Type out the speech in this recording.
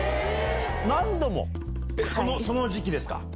何度も⁉その時期ですか？